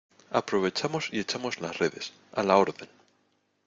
aprovechamos y echamos las redes. a la orden .